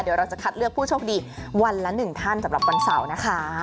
เดี๋ยวเราจะคัดเลือกผู้โชคดีวันละ๑ท่านสำหรับวันเสาร์นะคะ